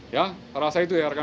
ya rasa itu ya rekan rekan